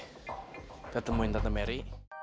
kita temuin tante mary